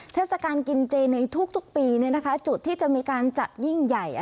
เทศกาลกินเจในทุกทุกปีเนี้ยนะคะจุดที่จะมีการจัดยิ่งใหญ่อ่ะ